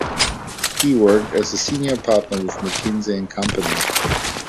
He worked as a Senior Partner with McKinsey and Company.